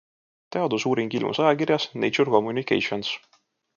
Teadusuuring ilmus ajakirjas Nature Communications.